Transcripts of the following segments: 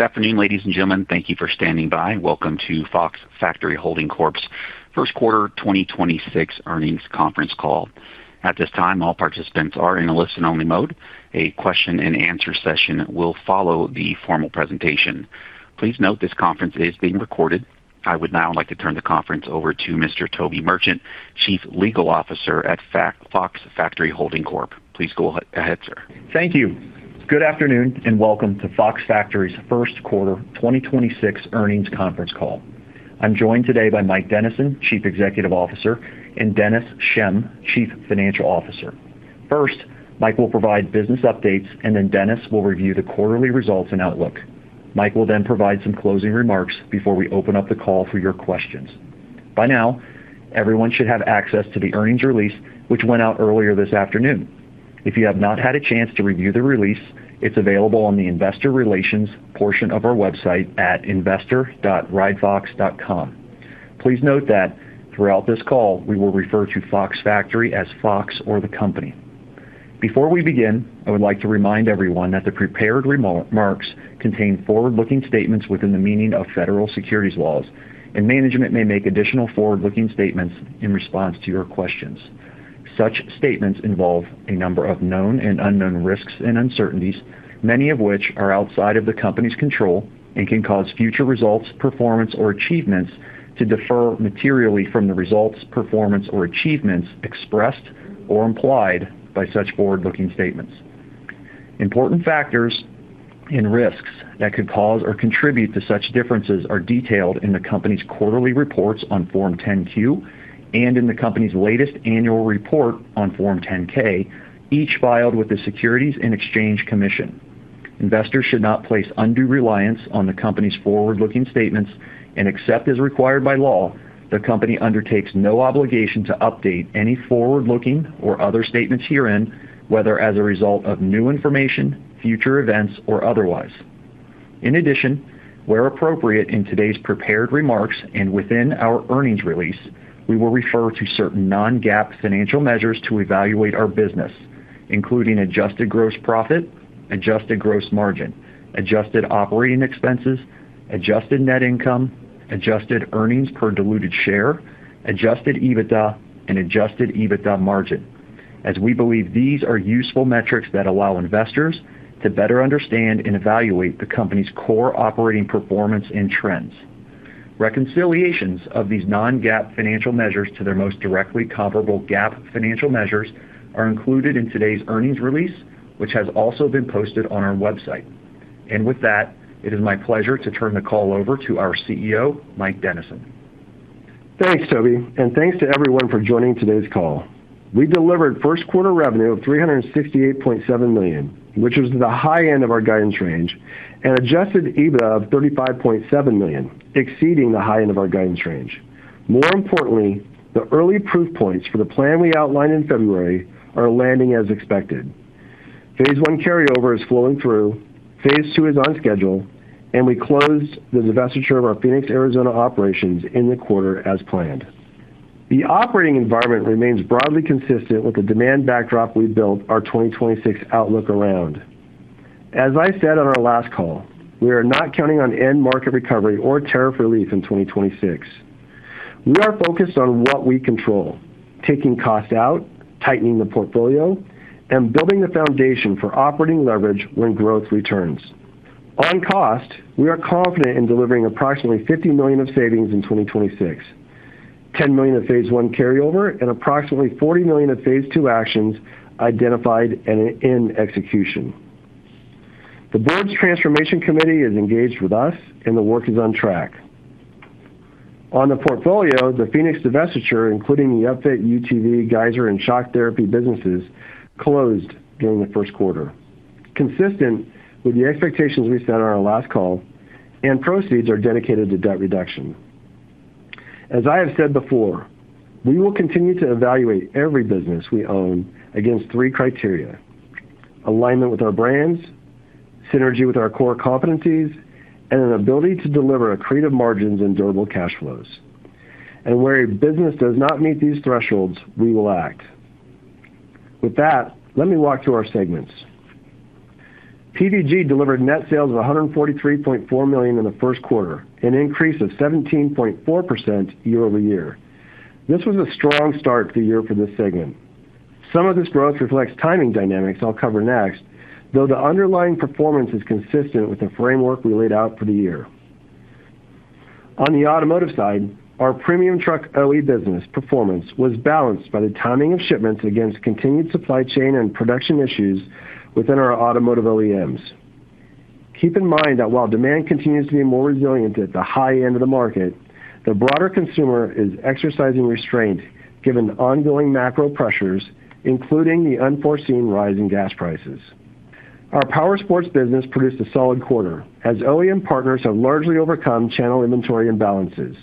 Good afternoon, ladies and gentlemen. Thank you for standing by. Welcome to Fox Factory Holding Corp's Q1 2026 earnings conference call. At this time, all participants are in a listen-only mode. A question-and-answer session will follow the formal presentation. Please note this conference is being recorded. I would now like to turn the conference over to Mr. Toby Merchant, Chief Legal Officer at Fox Factory Holding Corp. Please go ahead, sir. Thank you. Good afternoon, and welcome to Fox Factory's Q1 2026 earnings conference call. I'm joined today by Mike Dennison, Chief Executive Officer, and Dennis Schemm, Chief Financial Officer. First, Mike will provide business updates, and then Dennis will review the quarterly results and outlook. Mike will then provide some closing remarks before we open up the call for your questions. By now, everyone should have access to the earnings release, which went out earlier this afternoon. If you have not had a chance to review the release, it's available on the investor relations portion of our website at investor.ridefox.com. Please note that throughout this call, we will refer to Fox Factory as Fox or the company. Before we begin, I would like to remind everyone that the prepared remarks contain forward-looking statements within the meaning of federal securities laws, and management may make additional forward-looking statements in response to your questions. Such statements involve a number of known and unknown risks and uncertainties, many of which are outside of the company's control and can cause future results, performance, or achievements to differ materially from the results, performance, or achievements expressed or implied by such forward-looking statements. Important factors and risks that could cause or contribute to such differences are detailed in the company's quarterly reports on Form 10-Q and in the company's latest annual report on Form 10-K, each filed with the Securities and Exchange Commission. Investors should not place undue reliance on the company's forward-looking statements, and except as required by law, the company undertakes no obligation to Upfit any forward-looking or other statements herein, whether as a result of new information, future events, or otherwise. In addition, where appropriate in today's prepared remarks and within our earnings release, we will refer to certain non-GAAP financial measures to evaluate our business, including adjusted gross profit, adjusted gross margin, adjusted operating expenses, adjusted net income, adjusted earnings per diluted share, adjusted EBITDA, and adjusted EBITDA margin. As we believe these are useful metrics that allow investors to better understand and evaluate the company's core operating performance and trends. Reconciliations of these non-GAAP financial measures to their most directly comparable GAAP financial measures are included in today's earnings release, which has also been posted on our website. With that, it is my pleasure to turn the call over to our CEO, Mike Dennison. Thanks, Toby, and thanks to everyone for joining today's call. We delivered Q1 revenue of $368.7 million, which is the high end of our guidance range, and adjusted EBITDA of $35.7 million, exceeding the high end of our guidance range. More importantly, the early proof points for the plan we outlined in February are landing as expected. Phase one carryover is flowing through, phase two is on schedule, and we closed the divestiture of our Phoenix, Arizona operations in the quarter as planned. The operating environment remains broadly consistent with the demand backdrop we built our 2026 outlook around. As I said on our last call, we are not counting on end market recovery or tariff relief in 2026. We are focused on what we control, taking cost out, tightening the portfolio, and building the foundation for operating leverage when growth returns. On cost, we are confident in delivering approximately $50 million of savings in 2026, $10 million of phase one carryover, and approximately $40 million of phase two actions identified and in execution. The board's transformation committee is engaged with us, and the work is on track. On the portfolio, the Phoenix divestiture, including the Update, UTV, Geiser, and Shock Therapy businesses, closed during the 1st quarter. Consistent with the expectations we set on our last call. Proceeds are dedicated to debt reduction. As I have said before, we will continue to evaluate every business we own against thre criteria: alignment with our brands, synergy with our core competencies, and an ability to deliver accretive margins and durable cash flows. Where a business does not meet these thresholds, we will act. With that, let me walk through our segments. PVG delivered net sales of $143.4 million in the Q1, an increase of 17.4% year-over-year. This was a strong start to the year for this segment. Some of this growth reflects timing dynamics I'll cover next, though the underlying performance is consistent with the framework we laid out for the year. On the automotive side, our premium truck OEM business performance was balanced by the timing of shipments against continued supply chain and production issues within our automotive OEMs. Keep in mind that while demand continues to be more resilient at the high end of the market, the broader consumer is exercising restraint given ongoing macro pressures, including the unforeseen rise in gas prices. Our Powersports business produced a solid quarter as OEM partners have largely overcome channel inventory imbalances.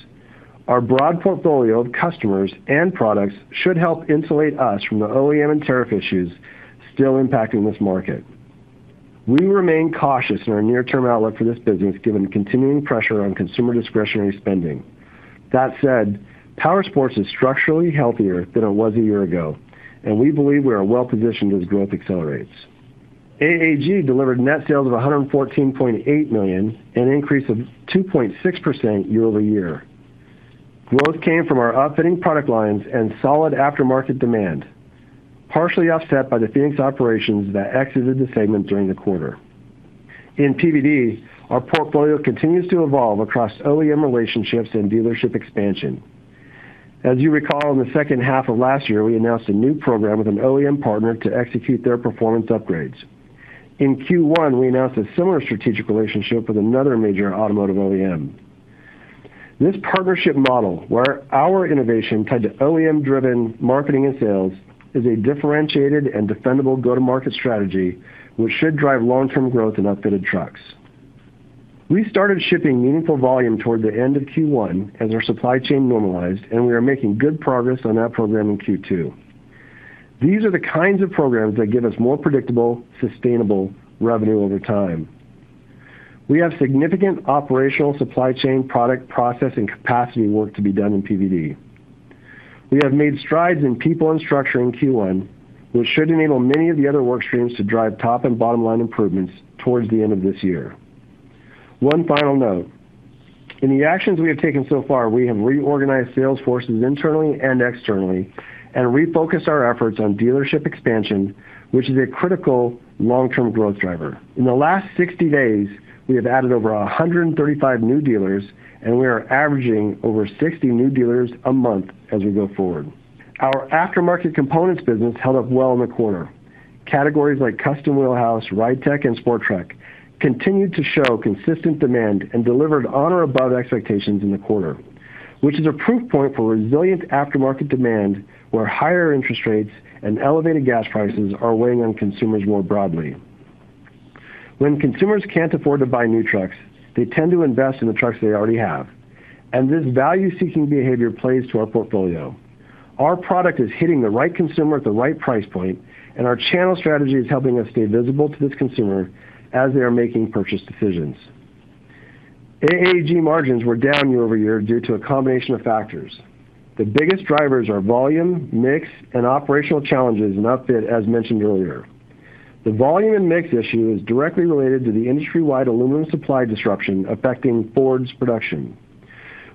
Our broad portfolio of customers and products should help insulate us from the OEM and tariff issues still impacting this market. We remain cautious in our near-term outlook for this business given the continuing pressure on consumer discretionary spending. That said, Powersports is structurally healthier than it was a year ago, and we believe we are well positioned as growth accelerates. AAG delivered net sales of $114.8 million, an increase of 2.6% year-over-year. Growth came from our upfitting product lines and solid aftermarket demand, partially offset by the Phoenix operations that exited the segment during the quarter. In PVD, our portfolio continues to evolve across OEM relationships and dealership expansion. As you recall, in the H2 of last year, we announced a new program with an OEM partner to execute their performance upgrades. In Q1, we announced a similar strategic relationship with another major automotive OEM. This partnership model, where our innovation tied to OEM-driven marketing and sales, is a differentiated and defendable go-to-market strategy which should drive long-term growth in upfitted trucks. We started shipping meaningful volume toward the end of Q1 as our supply chain normalized, and we are making good progress on that program in Q2. These are the kinds of programs that give us more predictable, sustainable revenue over time. We have significant operational supply chain product, process, and capacity work to be done in PVD. We have made strides in people and structure in Q1, which should enable many of the other work streams to drive top and bottom-line improvements towards the end of this year. One final note. In the actions we have taken so far, we have reorganized sales forces internally and externally and refocused our efforts on dealership expansion, which is a critical long-term growth driver. In the last 60 days, we have added over 135 new dealers, and we are averaging over 60 new dealers a month as we go forward. Our aftermarket components business held up well in the quarter. Categories like Custom Wheel House, Ridetech, and Sport Truck continued to show consistent demand and delivered on or above expectations in the quarter, which is a proof point for resilient aftermarket demand, where higher interest rates and elevated gas prices are weighing on consumers more broadly. When consumers can't afford to buy new trucks, they tend to invest in the trucks they already have, and this value-seeking behavior plays to our portfolio. Our product is hitting the right consumer at the right price point, and our channel strategy is helping us stay visible to this consumer as they are making purchase decisions. AAG margins were down year-over-year due to a combination of factors. The biggest drivers are volume, mix, and operational challenges in upfit, as mentioned earlier. The volume and mix issue is directly related to the industry-wide aluminum supply disruption affecting Ford's production,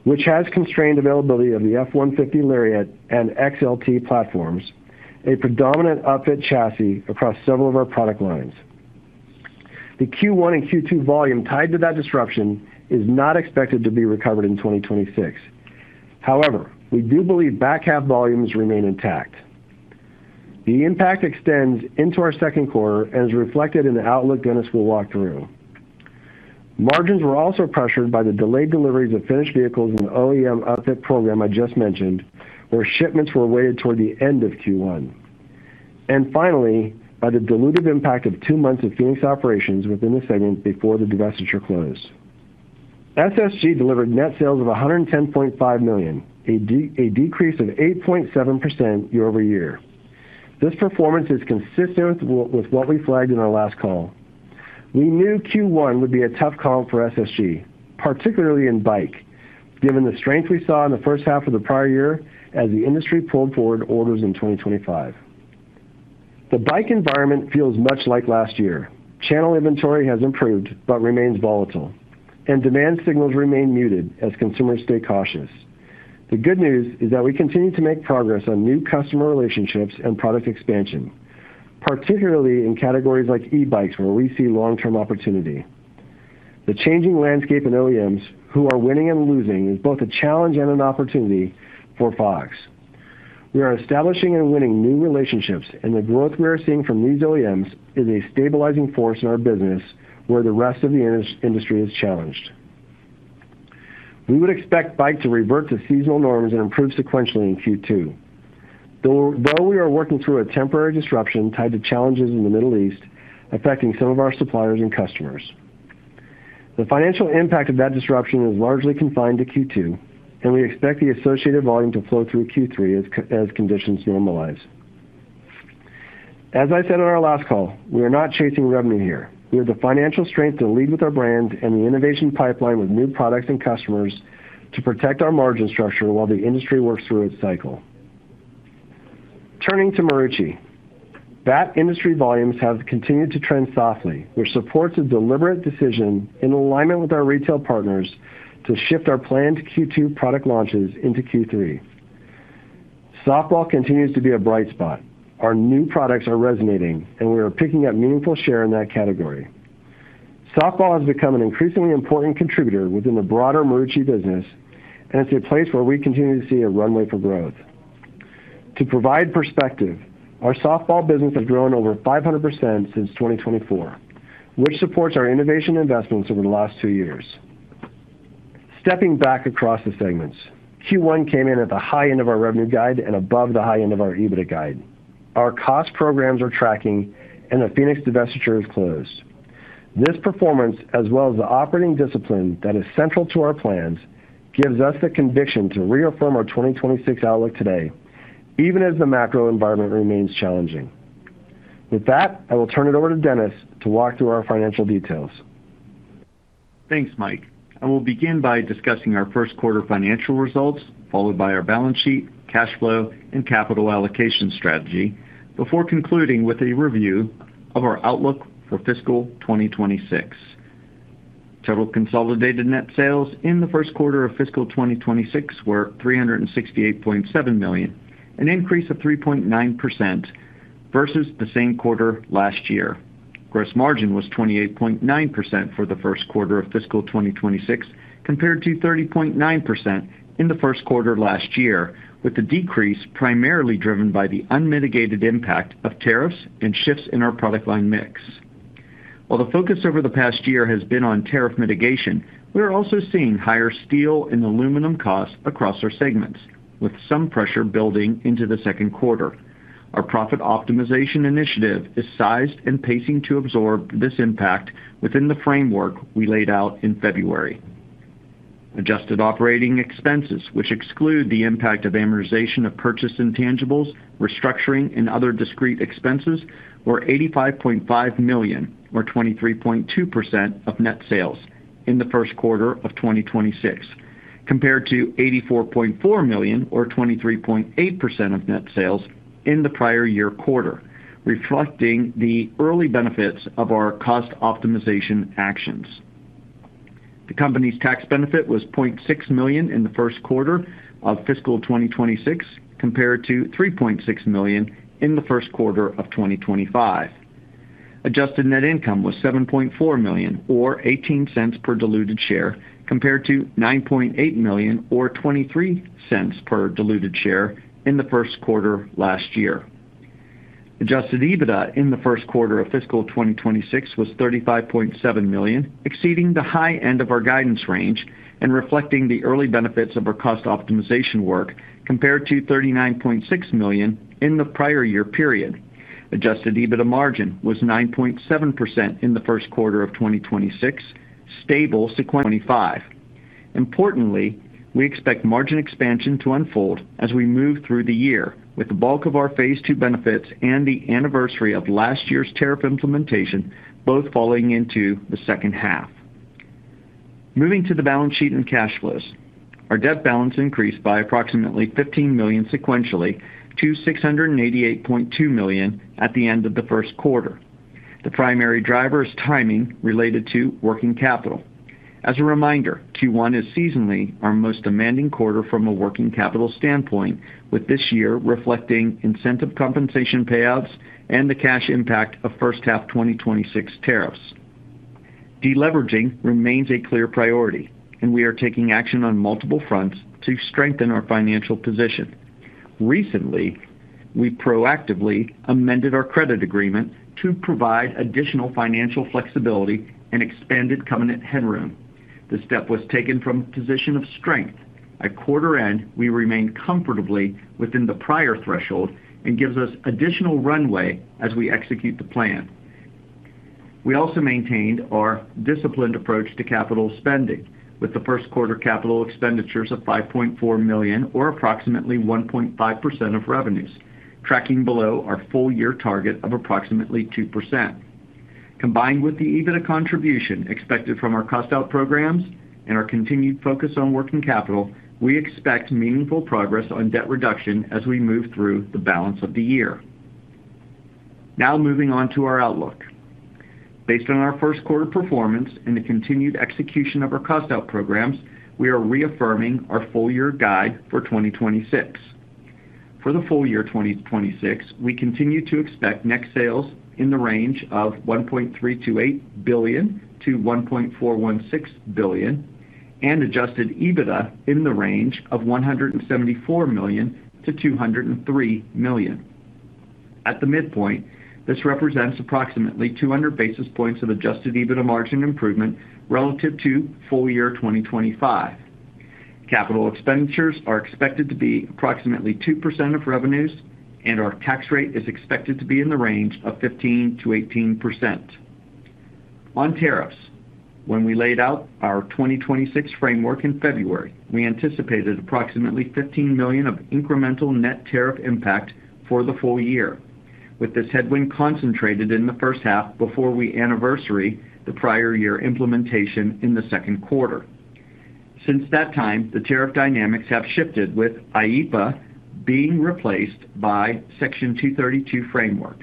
which has constrained availability of the F-150 Lariat and XLT platforms, a predominant upfit chassis across several of our product lines. The Q1 and Q2 volume tied to that disruption is not expected to be recovered in 2026. However, we do believe back half volumes remain intact. The impact extends into our Q2 and is reflected in the outlook Dennis will walk through. Margins were also pressured by the delayed deliveries of finished vehicles in the OEM upfit program I just mentioned, where shipments were weighted toward the end of Q1. Finally, by the dilutive impact of two months of Phoenix operations within the segment before the divestiture close. SSG delivered net sales of $110.5 million, a decrease of 8.7% year-over-year. This performance is consistent with what we flagged in our last call. We knew Q1 would be a tough call for SSG, particularly in bike, given the strength we saw in the H1 of the prior year as the industry pulled forward orders in 2025. The bike environment feels much like last year. Channel inventory has improved but remains volatile, and demand signals remain muted as consumers stay cautious. The good news is that we continue to make progress on new customer relationships and product expansion, particularly in categories like e-bikes, where we see long-term opportunity. The changing landscape in OEMs who are winning and losing is both a challenge and an opportunity for Fox. We are establishing and winning new relationships, and the growth we are seeing from these OEMs is a stabilizing force in our business where the rest of the industry is challenged. We would expect bike to revert to seasonal norms and improve sequentially in Q2. Though we are working through a temporary disruption tied to challenges in the Middle East affecting some of our suppliers and customers. The financial impact of that disruption is largely confined to Q2, and we expect the associated volume to flow through Q3 as conditions normalize. As I said on our last call, we are not chasing revenue here. We have the financial strength to lead with our brand and the innovation pipeline with new products and customers to protect our margin structure while the industry works through its cycle. Turning to Marucci. Bat industry volumes have continued to trend softly, which supports a deliberate decision in alignment with our retail partners to shift our planned Q2 product launches into Q3. Softball continues to be a bright spot. Our new products are resonating, and we are picking up meaningful share in that category. Softball has become an increasingly important contributor within the broader Marucci business, and it's a place where we continue to see a runway for growth. To provide perspective, our softball business has grown over 500% since 2024, which supports our innovation investments over the last two years. Stepping back across the segments, Q1 came in at the high end of our revenue guide and above the high end of our EBITDA guide. Our cost programs are tracking, and the Phoenix divestiture is closed. This performance, as well as the operating discipline that is central to our plans, gives us the conviction to reaffirm our 2026 outlook today, even as the macro environment remains challenging. I will turn it over to Dennis Schemm to walk through our financial details. Thanks, Mike. I will begin by discussing our Q1 financial results, followed by our balance sheet, cash flow, and capital allocation strategy before concluding with a review of our outlook for fiscal 2026. Total consolidated net sales in the Q1 of fiscal 2026 were $368.7 million, an increase of 3.9% versus the same quarter last year. Gross margin was 28.9% for the Q1 of fiscal 2026 compared to 30.9% in the Q1 last year, with the decrease primarily driven by the unmitigated impact of tariffs and shifts in our product line mix. While the focus over the past year has been on tariff mitigation, we are also seeing higher steel and aluminum costs across our segments, with some pressure building into the Q2. Our profit optimization initiative is sized and pacing to absorb this impact within the framework we laid out in February. Adjusted operating expenses, which exclude the impact of amortization of purchased intangibles, restructuring, and other discrete expenses were $85.5 million or 23.2% of net sales in the Q1 of 2026 compared to $84.4 million or 23.8% of net sales in the prior year quarter, reflecting the early benefits of our cost optimization actions. The company's tax benefit was $0.6 million in the Q1 of fiscal 2026 compared to $3.6 million in the Q1 of 2025. Adjusted net income was $7.4 million or $0.18 per diluted share compared to $9.8 million or $0.23 per diluted share in the Q1 last year. Adjusted EBITDA in the Q1 of fiscal 2026 was $35.7 million, exceeding the high end of our guidance range and reflecting the early benefits of our cost optimization work compared to $39.6 million in the prior year period. Adjusted EBITDA margin was 9.7% in the Q1 of 2026, stable sequentially to 2025. Importantly, we expect margin expansion to unfold as we move through the year with the bulk of our phase two benefits and the anniversary of last year's tariff implementation both falling into the H2. Moving to the balance sheet and cash flows. Our debt balance increased by approximately $15 million sequentially to $688.2 million at the end of the Q1. The primary driver is timing related to working capital. As a reminder, Q1 is seasonally our most demanding quarter from a working capital standpoint, with this year reflecting incentive compensation payouts and the cash impact of H1 2026 tariffs. Deleveraging remains a clear priority. We are taking action on multiple fronts to strengthen our financial position. Recently, we proactively amended our credit agreement to provide additional financial flexibility and expanded covenant headroom. This step was taken from a position of strength. At quarter end, we remain comfortably within the prior threshold and gives us additional runway as we execute the plan. We also maintained our disciplined approach to capital spending with the Q1 capital expenditures of $5.4 million or approximately 1.5% of revenues tracking below our full year target of approximately 2%. Combined with the EBITDA contribution expected from our cost out programs and our continued focus on working capital, we expect meaningful progress on debt reduction as we move through the balance of the year. Moving on to our outlook. Based on our Q1 performance and the continued execution of our cost out programs, we are reaffirming our full year guide for 2026. For the full year 2026, we continue to expect net sales in the range of $1.328-$1.416 billion and adjusted EBITDA in the range of $174-$203 million. At the midpoint, this represents approximately 200-basis points of adjusted EBITDA margin improvement relative to full year 2025. Capital expenditures are expected to be approximately 2% of revenues, and our tax rate is expected to be in the range of 15%-18%. On tariffs, when we laid out our 2026 framework in February, we anticipated approximately $15 million of incremental net tariff impact for the full year. With this headwind concentrated in the H1 before we anniversary the prior year implementation in the Q2. Since that time, the tariff dynamics have shifted, with IEEPA being replaced by Section 232 framework.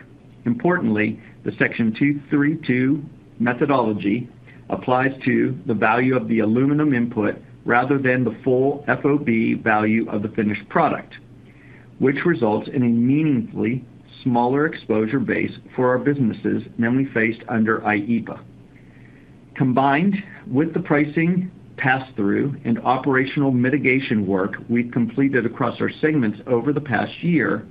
Importantly, the Section 232 methodology applies to the value of the aluminum input rather than the full FOB value of the finished product, which results in a meaningfully smaller exposure base for our businesses than we faced under IEEPA. Combined with the pricing pass-through and operational mitigation work we've completed across our segments over the past year,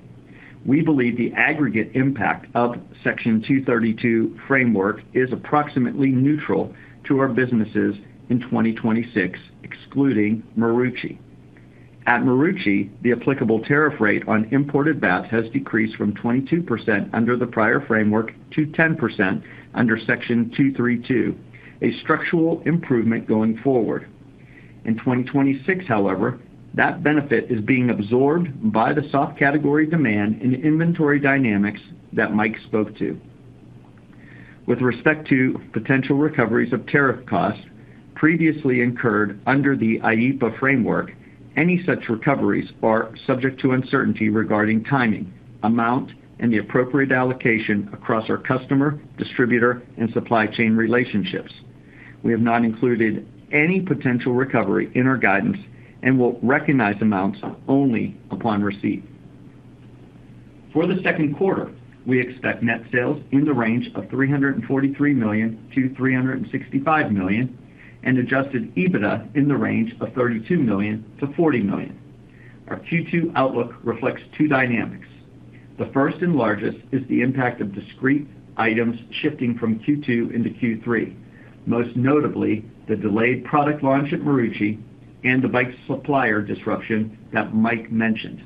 we believe the aggregate impact of Section 232 framework is approximately neutral to our businesses in 2026, excluding Marucci. At Marucci, the applicable tariff rate on imported bats has decreased from 22% under the prior framework to 10% under Section 232, a structural improvement going forward. In 2026, however, that benefit is being absorbed by the soft category demand in inventory dynamics that Mike spoke to. With respect to potential recoveries of tariff costs previously incurred under the IEEPA framework, any such recoveries are subject to uncertainty regarding timing, amount, and the appropriate allocation across our customer, distributor, and supply chain relationships. We have not included any potential recovery in our guidance and will recognize amounts only upon receipt. For the Q2, we expect net sales in the range of $343-$365 million and adjusted EBITDA in the range of $32-$40 million. Our Q2 outlook reflects two dynamics. The first and largest is the impact of discrete items shifting from Q2 into Q3, most notably the delayed product launch at Marucci and the bike supplier disruption that Mike mentioned.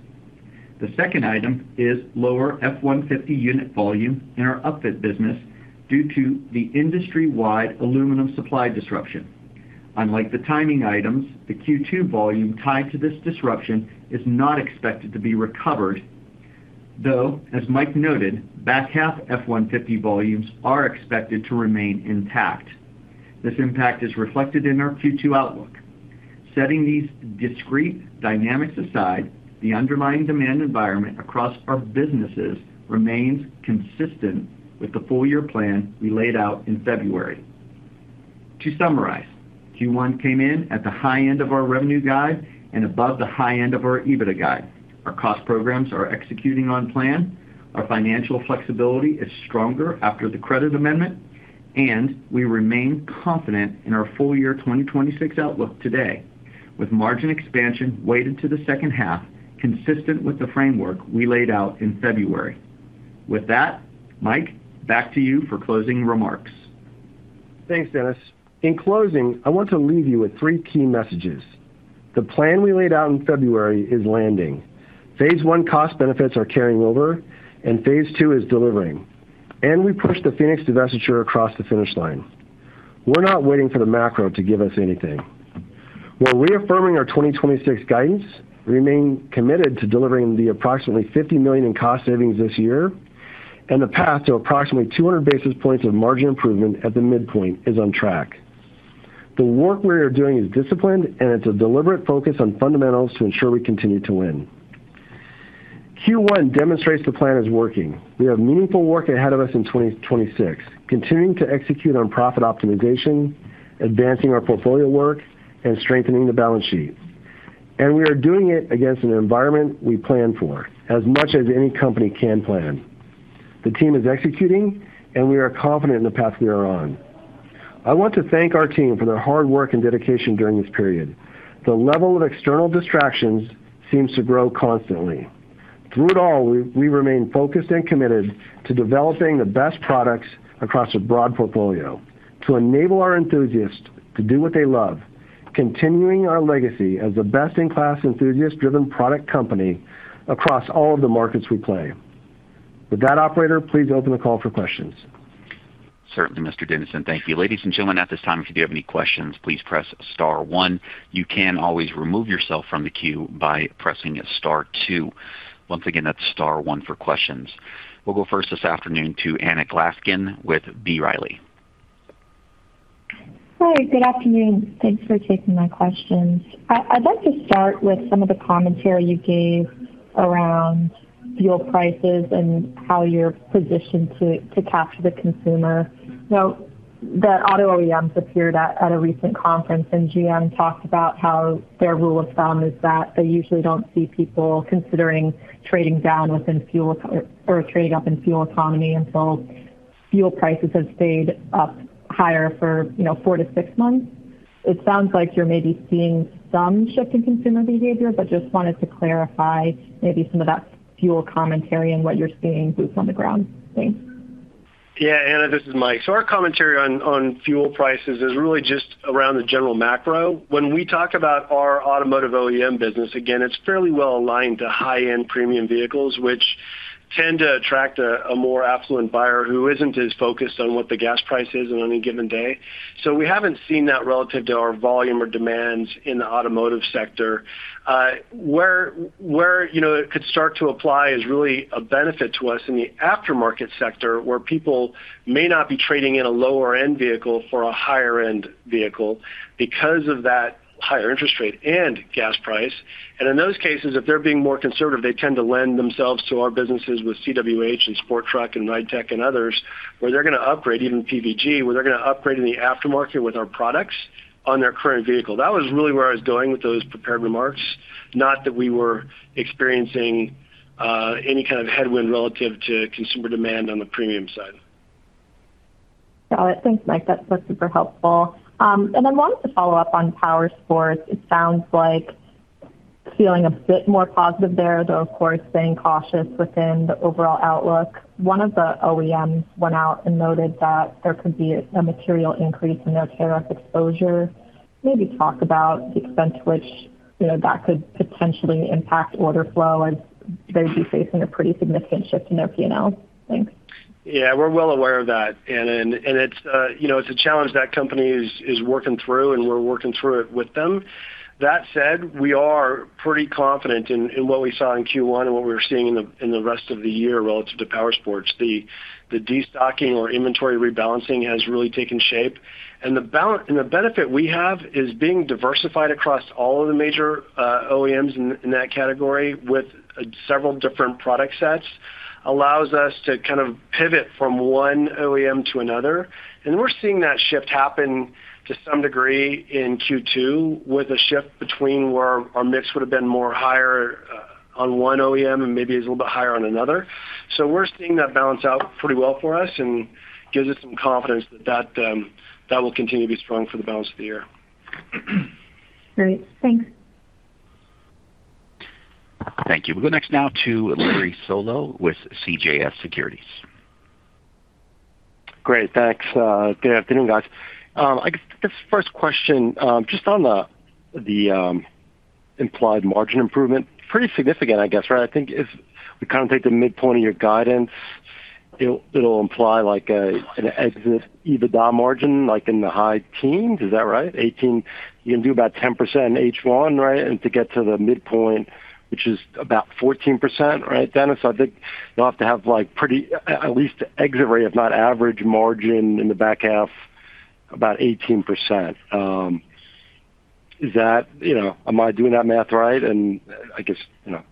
The second item is lower F-150-unit volume in our upfit business due to the industry-wide aluminum supply disruption. Unlike the timing items, the Q2 volume tied to this disruption is not expected to be recovered, though, as Mike noted, back half F-150 volumes are expected to remain intact. This impact is reflected in our Q2 outlook. Setting these discrete dynamics aside, the underlying demand environment across our businesses remains consistent with the full-year plan we laid out in February. To summarize, Q1 came in at the high end of our revenue guide and above the high end of our EBITDA guide. Our cost programs are executing on plan. Our financial flexibility is stronger after the credit amendment, and we remain confident in our full-year 2026 outlook today, with margin expansion weighted to the H2, consistent with the framework we laid out in February. With that, Mike, back to you for closing remarks. Thanks, Dennis. In closing, I want to leave you with three key messages. The plan we laid out in February is landing. Phase one cost benefits are carrying over, and phase two is delivering. We pushed the UTV divestiture across the finish line. We're not waiting for the macro to give us anything. We're reaffirming our 2026 guidance, remain committed to delivering the approximately $50 million in cost savings this year, and the path to approximately 200-basis points of margin improvement at the midpoint is on track. The work we are doing is disciplined, and it's a deliberate focus on fundamentals to ensure we continue to win. Q1 demonstrates the plan is working. We have meaningful work ahead of us in 2026, continuing to execute on profit optimization, advancing our portfolio work, and strengthening the balance sheet. We are doing it against an environment we plan for as much as any company can plan. The team is executing, and we are confident in the path we are on. I want to thank our team for their hard work and dedication during this period. The level of external distractions seems to grow constantly. Through it all, we remain focused and committed to developing the best products across a broad portfolio to enable our enthusiasts to do what they love, continuing our legacy as the best-in-class, enthusiast-driven product company across all of the markets we play. With that, operator, please open the call for questions. Certainly, Mr. Dennison. Thank you. Ladies and gentlemen, at this time, if you do have any questions, please press star one. You can always remove yourself from the queue by pressing star two. Once again, that's star one for questions. We'll go first this afternoon to Anna Glaskin with B. Riley. Hi, good afternoon. Thanks for taking my questions. I'd like to start with some of the commentary you gave around fuel prices and how you're positioned to capture the consumer. Auto OEMs appeared at a recent conference and GM talked about how their rule of thumb is that they usually don't see people considering trading down within fuel or trade up in fuel economy until fuel prices have stayed up higher for, you know, four to six months. It sounds like you're maybe seeing some shift in consumer behavior, just wanted to clarify maybe some of that fuel commentary and what you're seeing boots on the ground. Thanks. Yeah, Anna, this is Mike. Our commentary on fuel prices is really just around the general macro. When we talk about our automotive OEM business, again, it's fairly well aligned to high-end premium vehicles, which tend to attract a more affluent buyer who isn't as focused on what the gas price is on any given day. We haven't seen that relative to our volume or demands in the automotive sector. Where, you know, it could start to apply is really a benefit to us in the aftermarket sector, where people may not be trading in a lower-end vehicle for a higher-end vehicle because of that higher interest rate and gas price. In those cases, if they're being more conservative, they tend to lend themselves to our businesses with CWH and Sport Truck and Ridetech and others, where they're going to upgrade, even PVG, where they're going to upgrade in the aftermarket with our products on their current vehicle. That was really where I was going with those prepared remarks, not that we were experiencing any kind of headwind relative to consumer demand on the premium side. Got it. Thanks, Mike. That's super helpful. I wanted to follow up on Powersports. It sounds like feeling a bit more positive there, though of course staying cautious within the overall outlook. One of the OEMs went out and noted that there could be a material increase in their tariff exposure. Maybe talk about the extent to which, you know, that could potentially impact order flow and They'd be facing a pretty significant shift in their P&L, I think. Yeah, we're well aware of that. It's, you know, it's a challenge that company is working through, and we're working through it with them. That said, we are pretty confident in what we saw in Q1 and what we're seeing in the rest of the year relative to Powersports. The destocking or inventory rebalancing has really taken shape. The benefit we have is being diversified across all of the major OEMs in that category with several different product sets allows us to kind of pivot from one OEM to another. We're seeing that shift happen to some degree in Q2 with a shift between where our mix would've been higher on one OEM and maybe is a little bit higher on another. We're seeing that balance out pretty well for us and gives us some confidence that that will continue to be strong for the balance of the year. Great. Thanks. Thank you. We'll go next now to Larry Solow with CJS Securities. Great. Thanks. Good afternoon, guys. I guess the first question, just on the implied margin improvement, pretty significant, I guess, right? I think if we kind of take the midpoint of your guidance, it'll imply like an exit EBITDA margin, like in the high teens. Is that right? 18. You can do about 10% in H1, right? To get to the midpoint, which is about 14%, right, Dennis? I think you'll have to have like pretty, at least exit rate, if not average margin in the back half about 18%. Is that, you know, am I doing that math right? I guess, you know,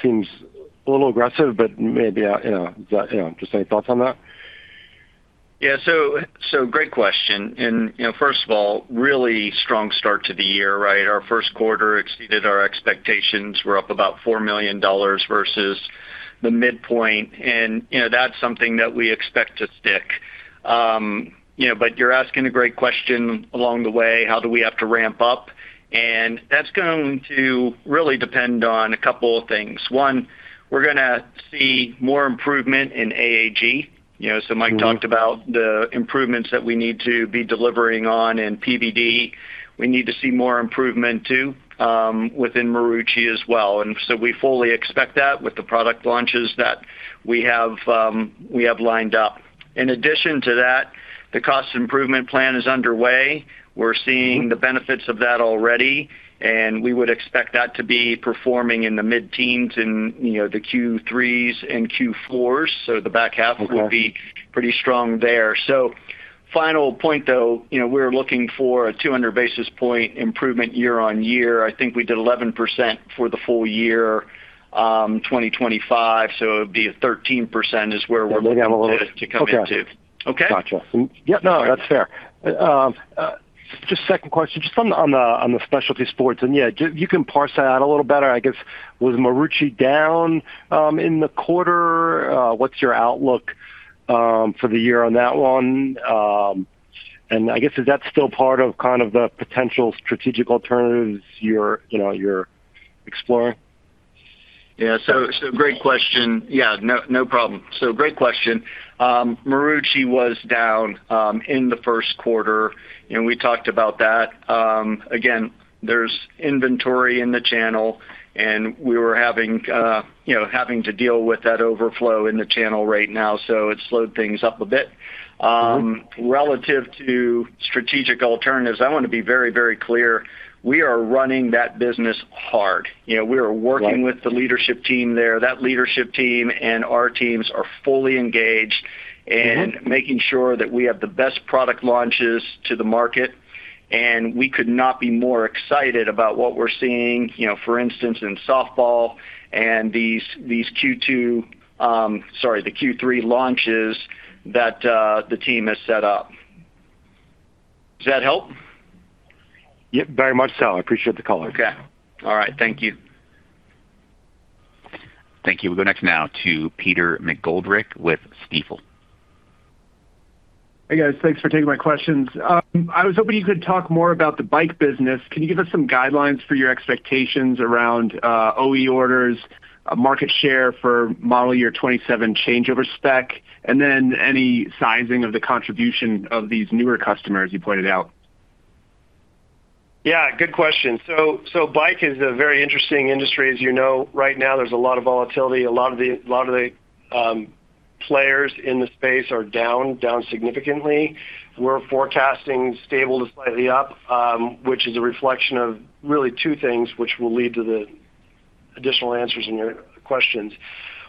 seems a little aggressive, but maybe, you know. Is that, you know, just any thoughts on that? Great question. You know, first of all, really strong start to the year, right? Our Q1 exceeded our expectations. We're up about $4 million versus the midpoint, you know, that's something that we expect to stick. You know, you're asking a great question along the way, how do we have to ramp up? That's going to really depend on a couple of things. One, we're going to see more improvement in AAG. You know, Mike talked about the improvements that we need to be delivering on in PVG. We need to see more improvement too, within Marucci as well. We fully expect that with the product launches that we have, we have lined up. In addition to that, the cost improvement plan is underway. We're seeing the benefits of that already, and we would expect that to be performing in the mid-teens in, you know, the Q3s and Q4s so that the backup will be pretty strong there. Final point, though, you know, we're looking for a 200-basis point improvement year-on-year. I think we did 11% for the full year, 2025, so it'd be a 13% is where we're looking to. Okay to come into. Okay? Gotcha. Yep, no, that's fair. Just second question, just on the Specialty Sports, and yeah, you can parse that out a little better, I guess. Was Marucci down in the quarter? What's your outlook for the year on that one? I guess, is that still part of kind of the potential strategic alternatives you're, you know, you're exploring? Great question. Marucci was down in the Q1, we talked about that. Again, there's inventory in the channel, we were having, you know, having to deal with that overflow in the channel right now, so it slowed things up a bit. Relative to strategic alternatives, I want to be very, very clear, we are running that business hard. Right with the leadership team there. That leadership team and our teams are fully engaged in making sure that we have the best product launches to the market. We could not be more excited about what we're seeing, you know, for instance, in softball and these Q2, sorry, the Q3 launches that the team has set up. Does that help? Yep, very much so. I appreciate the color. Okay. All right. Thank you. Thank you. We'll go next now to Peter McGoldrick with Stifel. Hey, guys. Thanks for taking my questions. I was hoping you could talk more about the bike business. Can you give us some guidelines for your expectations around OE orders, market share for model year '27 changeover spec, and then any sizing of the contribution of these newer customers you pointed out? Yeah, good question. Bike is a very interesting industry. As you know, right now there's a lot of volatility. A lot of the players in the space are down significantly. We're forecasting stable to slightly up, which is a reflection of really two things, which will lead to the additional answers in your questions.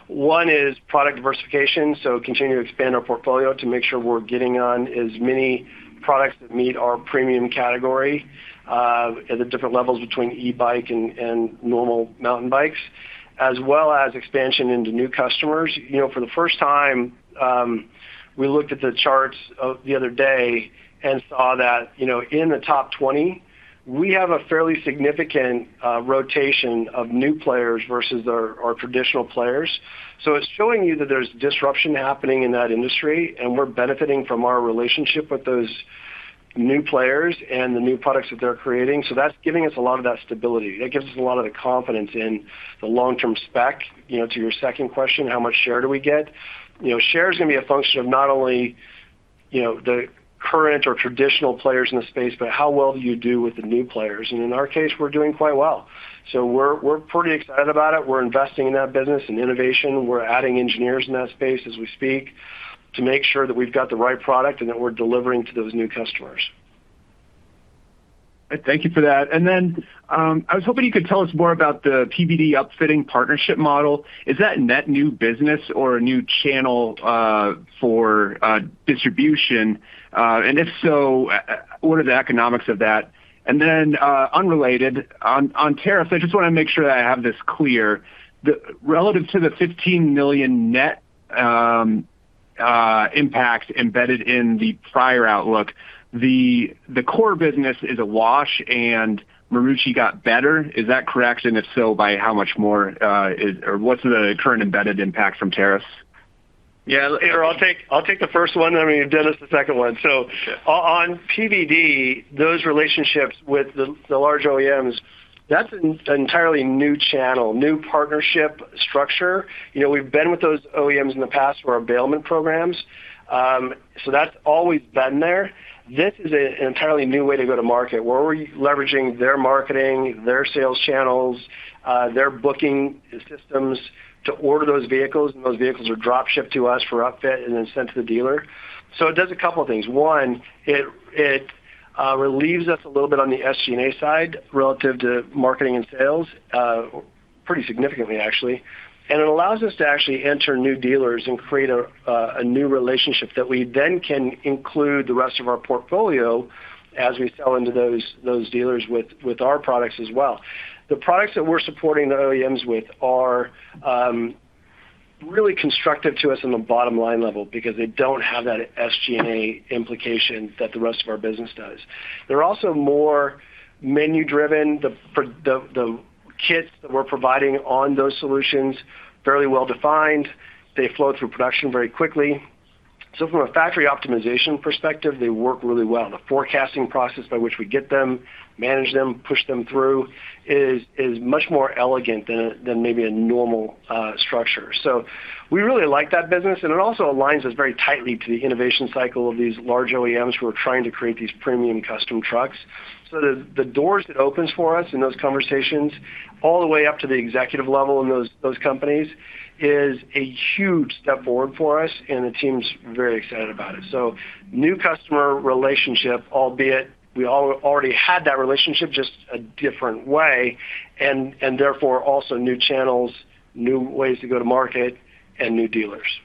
One is product diversification, so continuing to expand our portfolio to make sure we're getting on as many products that meet our premium category at the different levels between e-bike and normal mountain bikes, as well as expansion into new customers. You know, for the first time, we looked at the charts the other day and saw that, you know, in the top 20, we have a fairly significant rotation of new players versus our traditional players. It's showing you that there's disruption happening in that industry, and we're benefiting from our relationship with those new players and the new products that they're creating. That's giving us a lot of that stability. That gives us a lot of the confidence in the long-term spec. You know, to your second question, how much share do we get? You know, share's going to be a function of not only, the current or traditional players in the space, but how well do you do with the new players? In our case, we're doing quite well. We're pretty excited about it. We're investing in that business and innovation. We're adding engineers in that space as we speak to make sure that we've got the right product and that we're delivering to those new customers. Thank you for that. I was hoping you could tell us more about the PVG upfitting partnership model. Is that net new business or a new channel for distribution? If so, what are the economics of that? Unrelated, on tariffs, I just want to make sure that I have this clear. Relative to the $15 million net impact embedded in the prior outlook, the core business is a wash and Marucci got better. Is that correct? If so, by how much more, or what is the current embedded impact from tariffs? Yeah. I'll take the first one, and I'm going to give Dennis the second one. Sure on PVG, those relationships with the large OEMs, that's an entirely new channel, new partnership structure. You know, we've been with those OEMs in the past for our bailment programs. That's always been there. This is an entirely new way to go to market, where we're leveraging their marketing, their sales channels, their booking systems to order those vehicles, those vehicles are drop shipped to us for upfit and then sent to the dealer. It does a couple of things. One, it relieves us a little bit on the SG&A side relative to marketing and sales, pretty significantly actually. It allows us to actually enter new dealers and create a new relationship that we then can include the rest of our portfolio as we sell into those dealers with our products as well. The products that we're supporting the OEMs with are really constructive to us on the bottom-line level because they don't have that SG&A implication that the rest of our business does. They're also more menus driven. The kits that we're providing on those solutions, fairly well defined. They flow through production very quickly. From a factory optimization perspective, they work really well. The forecasting process by which we get them, manage them, push them through is much more elegant than maybe a normal structure. We really like that business, and it also aligns us very tightly to the innovation cycle of these large OEMs who are trying to create these premium custom trucks. The doors it opens for us in those conversations, all the way up to the executive level in those companies, is a huge step forward for us, and the team's very excited about it. New customer relationship, albeit we already had that relationship just a different way, and therefore, also new channels, new ways to go to market, and new dealers.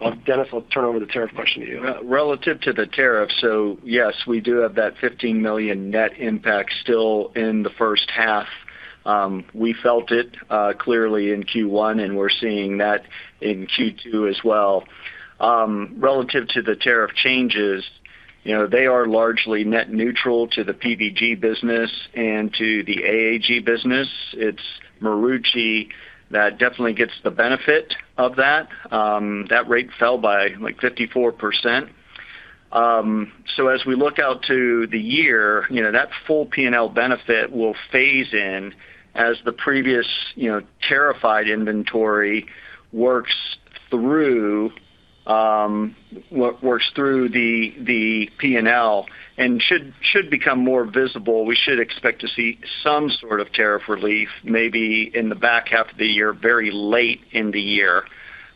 Well, Dennis, I'll turn over the tariff question to you. Relative to the tariff, yes, we do have that $15 million net impact still in the H1. We felt it clearly in Q1, and we're seeing that in Q2 as well. Relative to the tariff changes, you know, they are largely net neutral to the PVG business and to the AAG business. It's Marucci that definitely gets the benefit of that. That rate fell by, like, 54%. As we look out to the year, you know, that full P&L benefit will phase in as the previous, you know, tariffed inventory works through the P&L and should become more visible. We should expect to see some sort of tariff relief maybe in the back half of the year, very late in the year.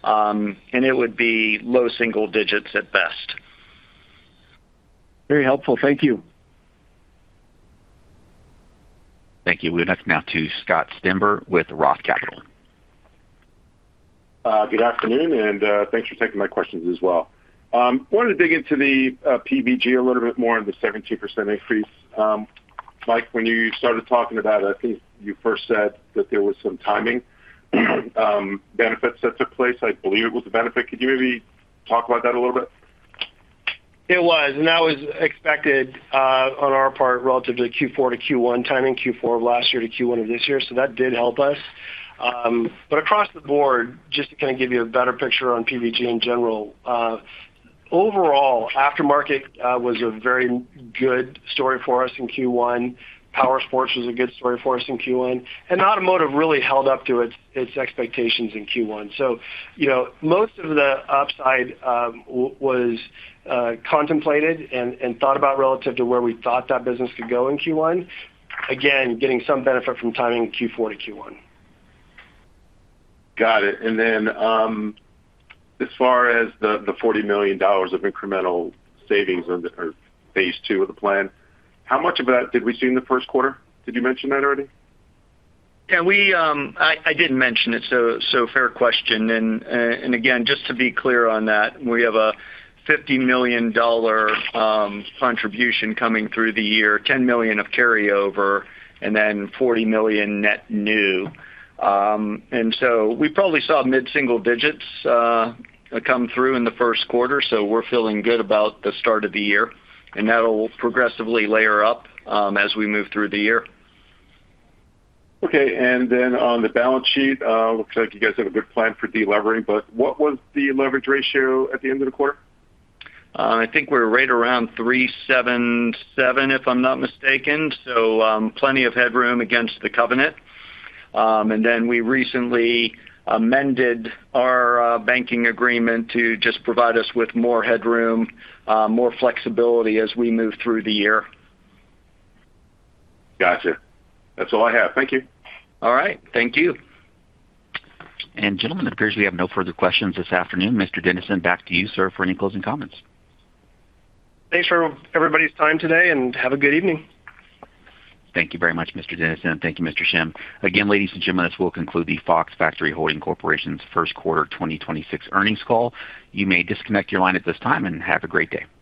It would be low single digits at best. Very helpful. Thank you. Thank you. We'll connect now to Scott Stember with ROTH Capital. Good afternoon, and thanks for taking my questions as well. Wanted to dig into the PVG a little bit more on the 17% increase. Mike, when you started talking about it, I think you first said that there were some timing benefits that took place. I believe it was a benefit. Could you maybe talk about that a little bit? It was, and that was expected on our part relative to Q4 to Q1 timing, Q4 of last year to Q1 of this year, that did help us. Across the board, just to kind of give you a better picture on PVG in general, overall, aftermarket was a very good story for us in Q1. Powersports was a good story for us in Q1. Automotive really held up to its expectations in Q1. You know, most of the upside was contemplated and thought about relative to where we thought that business could go in Q1. Again, getting some benefit from timing Q4 to Q1. Got it. As far as the $40 million of incremental savings or phase two of the plan, how much of that did we see in the Q1? Did you mention that already? Yeah. We, I didn't mention it, so fair question. Again, just to be clear on that, we have a $50 million contribution coming through the year, $10 million of carryover, and then $40 million net new. We probably saw mid-single digits come through in the 1st quarter, so we're feeling good about the start of the year. That'll progressively layer up as we move through the year. Okay. On the balance sheet, looks like you guys have a good plan for delivering, but what was the leverage ratio at the end of the quarter? I think we're right around 377, if I'm not mistaken, so, plenty of headroom against the covenant. We recently amended our banking agreement to just provide us with more headroom, more flexibility as we move through the year. Gotcha. That's all I have. Thank you. All right. Thank you. Gentlemen, it appears we have no further questions this afternoon. Mr. Dennison, back to you, sir, for any closing comments. Thanks for everybody's time today and have a good evening. Thank you very much, Mr. Dennison. Thank you, Mr. Schemm. Again, ladies and gentlemen, this will conclude the Fox Factory Holding Corp.'s Q1 2026 earnings call. You may disconnect your line at this time and have a great day. Goodbye.